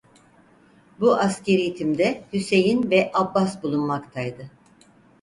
Bu askeri timde Hüseyin ve Abbas bulunmaktaydı.